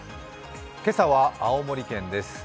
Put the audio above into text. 今朝は青森県です